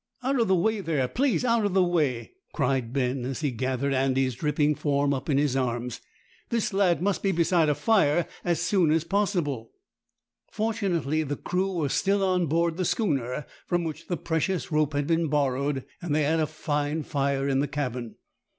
"Out of the way there, please! out of the way!" cried Ben, as he gathered Andy's dripping form up in his arms. "This lad must be beside a fire as soon as possible." Fortunately the crew were still on board the schooner from which the precious rope had been borrowed, and they had a fine fire in the cabin.